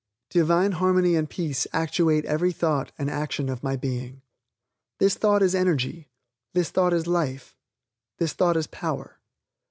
"Divine Harmony and Peace actuate every thought and action of my being." This thought is energy, this thought is life, this thought is power.